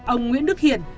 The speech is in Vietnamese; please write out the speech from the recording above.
ông nguyễn đức hiển